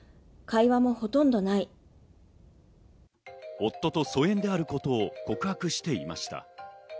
夫と疎遠であることを告白していました。